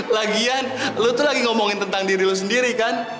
lagian lu tuh lagi ngomongin tentang diri lu sendiri kan